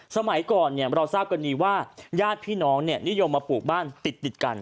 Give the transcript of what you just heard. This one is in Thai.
สมัยก่อนเราทราบกันดีว่าญาติพี่น้องนิยมมาปลูกบ้านติดกัน